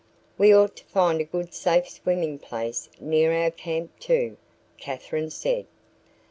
"We ought to find a good safe swimming place near our camp, too," Katherine said.